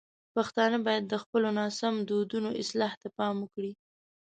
پښتانه باید د خپلو ناسم دودونو اصلاح ته پام وکړي.